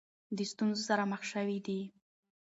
د ستونزو سره مخ شوې دي.